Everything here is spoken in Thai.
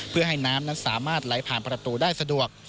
เพื่อให้น้ำนั้นสามารถไหลผ่านประตูได้สะดวก